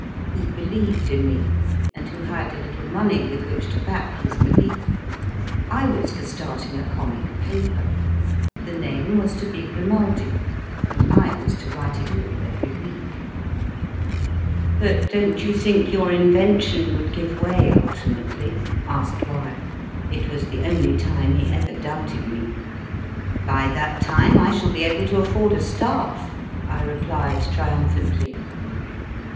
who be lieved in me, and who had a little money with which to back his belief. I was for starting a comic paper. The name was to be Grimaldi) and I was all every ARTHUR GODDARD to write it week. But don t you think your invention would give way ultimately ? asked Y. It was the only time he ever doubted me. k By that time I shall L be able to afford a staff, I replied triumphantly.